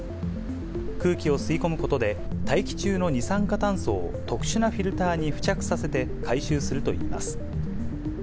空気を吸い込むことで、大気中の二酸化炭素を特殊なフィルターに付着させて、回収するといいます。